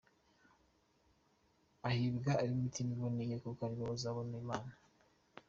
Hahirwa ab’imitima iboneye, Kuko ari bo bazabona Imana